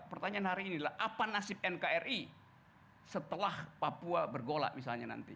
pertanyaan hari ini adalah apa nasib nkri setelah papua bergolak misalnya nanti